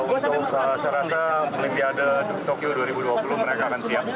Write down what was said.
untuk saya rasa olimpiade tokyo dua ribu dua puluh mereka akan siap